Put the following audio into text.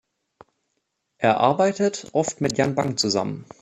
Er arbeitet oft mit Jan Bang zusammen.